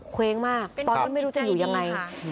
เคงมากตอนนั้นไม่รู้จะอยู่ยังไงเป็นพดเป็นแพ้หนิค่ะ